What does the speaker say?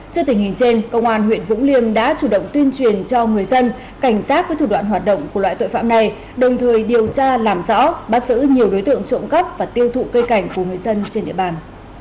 trước tình hình trên công an huyện vũng liêm đã chủ động tuyên truyền cho người dân cảnh giác với thủ đoạn hoạt động của loại tội phạm này đồng thời điều tra làm rõ bắt giữ nhiều đối tượng trộm cắp và tiêu thụ cây cảnh của người dân trên địa bàn